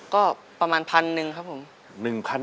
ก็ประมาณ๑๐๐๐บาทครับผม